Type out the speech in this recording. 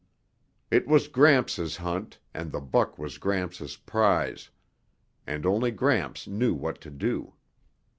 It was Gramps' hunt and the buck was Gramps' prize. And only Gramps knew what to do.